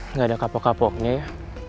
nggak ada kapok kapoknya ya